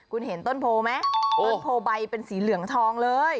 คุณเห็นต้นโพไหมต้นโพใบเป็นสีเหลืองทองเลย